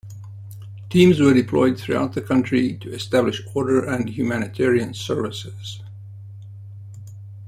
Teams were deployed throughout the country to establish order and humanitarian services.